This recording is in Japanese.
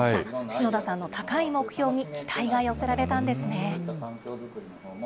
信田さんの高い目標に期待が寄せられたんですね。